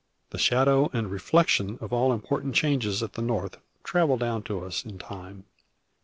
The shadow and reflection of all important changes at the North travel down to us in time.